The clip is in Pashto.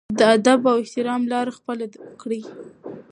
د ادب او احترام لار خپله کړي.